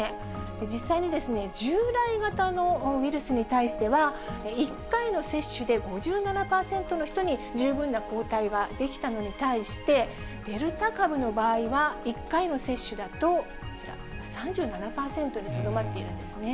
実際に従来型のウイルスに対しては、１回の接種で５７％の人に十分な抗体が出来たのに対して、デルタ株の場合は１回の接種だと、こちら、３７％にとどまっているんですね。